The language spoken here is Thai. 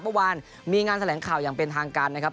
เมื่อวานมีงานแถลงข่าวอย่างเป็นทางการนะครับ